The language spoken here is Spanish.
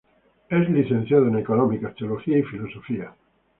Es licenciado en Económicas, Teología y Filosofía.